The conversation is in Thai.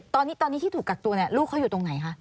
ตอนนี้ที่ถูกกักตัวเนี่ยลูกเขาอยู่ตรงไหนคะ